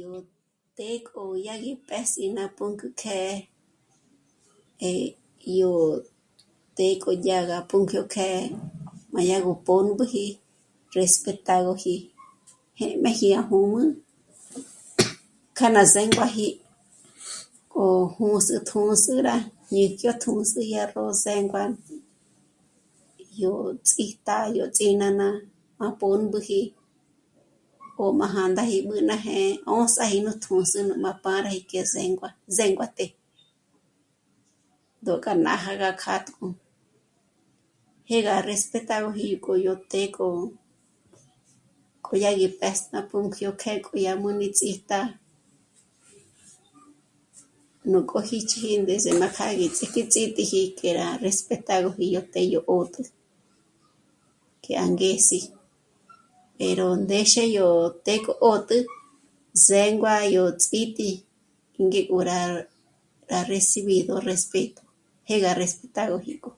Yó të́'ë k'o yá gí p'és'i ná pǔnk'ü kjë́'ë eh... yó të́'ë k'o yá gá pǔnkyó kjë́'ë má yá gó pǒmbüji respetágoji jé'meji à jûmü k'a ná zénguaji o jûs'ü tjǚndzü rá ñéjyá tjǚndzü yá ró zéngua yó ts'íjtá'a, yó ts'ínána má pǒmbüji o má jā̂ndāji mbú ná jë́'ë 'óndzaji nú tjǚndzü gú má páraji para zéngua... zénguaté ndó kja nája gá kjâtk'o. Jê gá respetágoji k'o yó të́'ë k'o yó... k'o yá gí p'ést'a ná pǔnkyó kjë́'ë yá nú níts'ijtá'a, nú k'ojích'i ndés'e má kjâ'a yó ts'íkits'i que rá respetágoji yó të́'ë yó 'ö́t'ü que angezi pero ndéxe yó të́'ë k'o 'ö́'t'ü zéngua yó ts'íti ngéko rá... rá recibido respeto... jé gá respetágojik'o